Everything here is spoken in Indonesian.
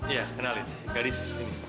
iya kenalin gadis